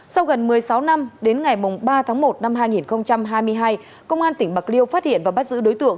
sau gần một mươi sáu năm đến ngày ba tháng một năm hai nghìn hai mươi hai công an tỉnh bạc liêu phát hiện và bắt giữ đối tượng